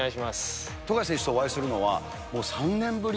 富樫選手とお会いするのは、もう３年ぶり。